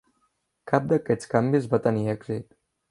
Cap d'aquests canvis va tenir èxit.